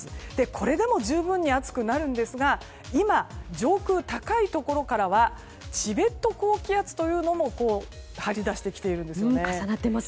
これでも十分に暑くなるんですが今、上空高いところからはチベット高気圧というのも張り出してきているんですね。